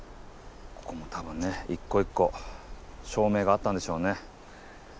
ここも多分ね一個一個照明があったんでしょうね。